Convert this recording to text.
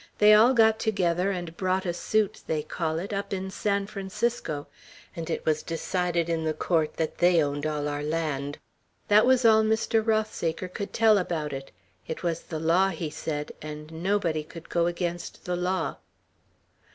They all got together and brought a suit, they call it, up in San Francisco; and it was decided in the court that they owned all our land. That was all Mr. Rothsaker could tell about it. It was the law, he said, and nobody could go against the law."